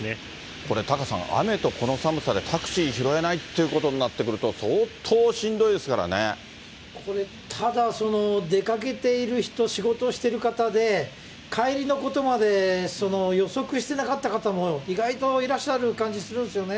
これタカさん、雨とこの寒さでタクシー拾えないってことになってくると、相当しこれ、ただ、出かけている人、仕事してる方で、帰りのことまで予測してなかった方も意外といらっしゃる感じするんですよね。